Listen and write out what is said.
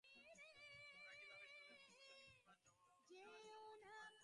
তোরা কি ভাবিস তোদের মুখুজ্যেমশায় কৃত্তিবাস ওঝার যমজ ভাই।